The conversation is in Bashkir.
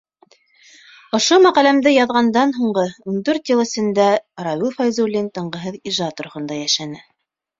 Ошо мәҡәләмде яҙғандан һуңғы ун дүрт йыл эсендә Рауил Фәйзуллин тынғыһыҙ ижад рухында йәшәне.